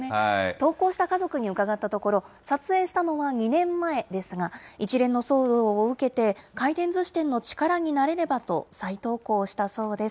投稿した家族に伺ったところ、撮影したのは２年前ですが、一連の騒動を受けて、回転ずし店の力になれればと、再投稿したそうです。